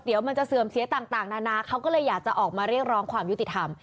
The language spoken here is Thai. เดี๋ยวมันจะเสื่อมเสียต่างนานาเขาก็เลยอยากจะออกมาเรียกร้องความยุติธรรม